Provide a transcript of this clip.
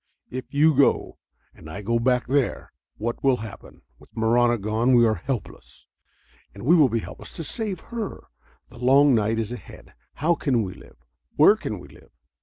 "If you go and I go back there, what will happen? With Marahna gone we are helpless, and we will be helpless to save her. The long night is ahead. How can we live? Where can we live?